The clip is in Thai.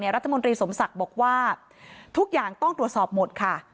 รัฐมนตรีสมศักดิ์บอกว่าทุกอย่างต้องตรวจสอบหมดค่ะ